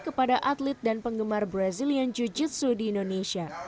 kepada atlet dan penggemar brazilian jiu jitsu di indonesia